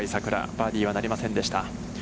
バーディーはなりませんでした。